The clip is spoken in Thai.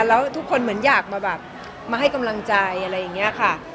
แล้วทุกคนเหมือนอยากมาแบบมาให้กำลังใจอะไรอย่างนี้ค่ะ